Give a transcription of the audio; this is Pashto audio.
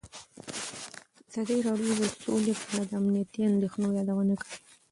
ازادي راډیو د سوله په اړه د امنیتي اندېښنو یادونه کړې.